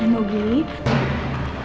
nugi aku mau pergi